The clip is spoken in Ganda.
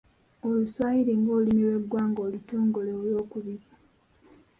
Oluswayiri ng'olulimi lw'eggwanga olutongole olwokubiri.